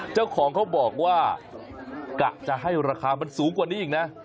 เจ้าของเขาบอกว่ากะจะให้ราคามันสูงกว่านี้อีกนะ